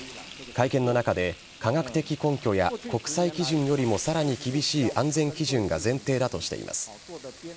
会見の中で、科学的根拠や国際基準よりもさらに厳しい安全基準が前提だとしています。